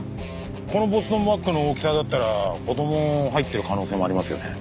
このボストンバッグの大きさだったら子供入ってる可能性もありますよね。